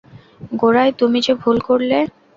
গোড়ায় তুমি যে ভুল করলে।